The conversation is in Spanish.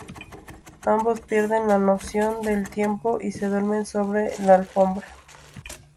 Ambos pierden la noción del tiempo y se duermen sobre la alfombra.